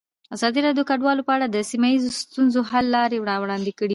ازادي راډیو د کډوال په اړه د سیمه ییزو ستونزو حل لارې راوړاندې کړې.